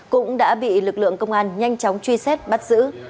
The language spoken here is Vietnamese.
cũng đã bị lực lượng công an nhanh chóng truy xét bắt giữ